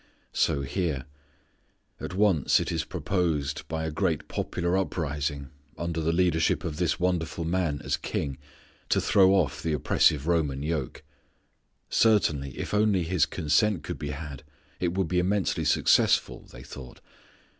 So here. At once it is proposed by a great popular uprising, under the leadership of this wonderful man as king, to throw off the oppressive Roman yoke. Certainly if only His consent could be had it would be immensely successful, they thought.